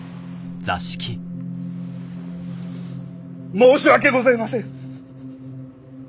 申し訳ございません！